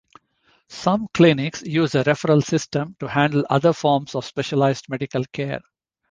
Some clinics use a referral system to handle other forms of specialized medical care.